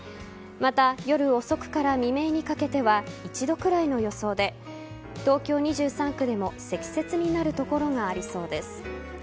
また、夜遅くから未明にかけては１度くらいの予想で東京２３区でも積雪になる所がありそうです。